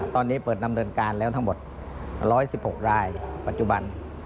ตอนนี้เปิดดำเนินการแล้วทั้งหมด๑๑๖รายปัจจุบัน